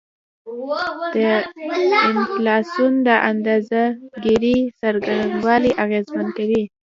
د انفلاسیون د اندازه ګيرۍ څرنګوالی هم اغیزمن کوي